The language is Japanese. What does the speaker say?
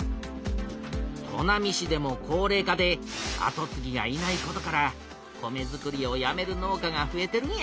砺波市でも高れい化で後つぎがいないことから米づくりをやめる農家がふえてるんや。